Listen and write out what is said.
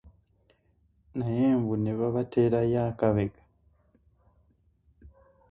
Naye mbu ne babateerayo akabega